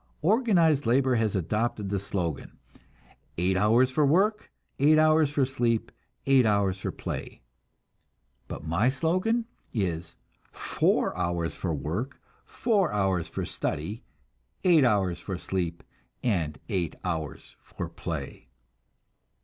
Organized labor has adopted the slogan, "Eight hours for work, eight hours for sleep, eight hours for play"; but my slogan is "Four hours for work, four hours for study, eight hours for sleep, and eight hours for play."